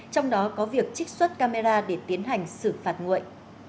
trong đó có việc trích xuất camera để tiến hành xử phạt nguội